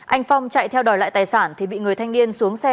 anh phong chạy theo đòi lại tài sản thì bị người thanh niên xuống xe